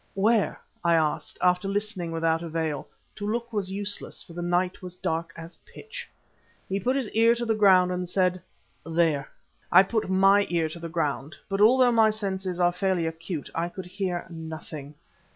"Where?" I asked, after listening without avail to look was useless, for the night was dark as pitch. He put his ear to the ground and said: "There." I put my ear to the ground, but although my senses are fairly acute, could hear nothing.